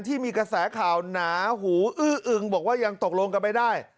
ที่มีกระแสข่าวหนาหูอื้ออึงบอกว่ายังตกลงกันไม่ได้